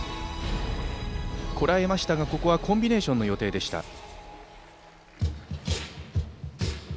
こらえましたがコンビネーションの予定でした。